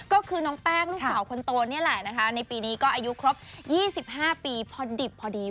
ก็คือน้องแป้งลูกสาวคนโตนี่แหละนะคะในปีนี้ก็อายุครบ๒๕ปีพอดิบพอดี